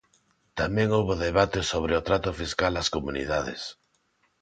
Tamén houbo debate sobre o trato fiscal ás comunidades.